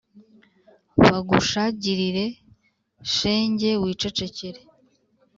bagushagirire shenge, wicecekere